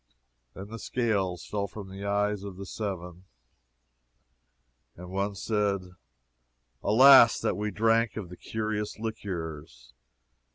Then the scales fell from the eyes of the Seven, and one said, Alas, that we drank of the curious liquors.